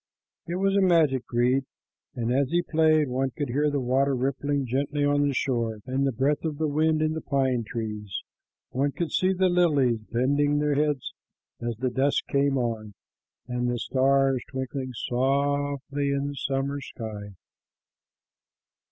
It was a magic reed, and as he played, one could hear the water rippling gently on the shore and the breath of the wind in the pine trees; one could see the lilies bending their heads as the dusk came on, and the stars twinkling softly in the summer sky.